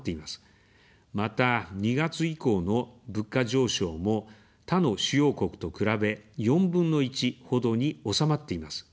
また、２月以降の物価上昇も他の主要国と比べ４分の１ほどに収まっています。